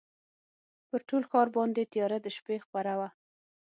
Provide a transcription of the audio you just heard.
پر ټول ښار باندي تیاره د شپې خپره وه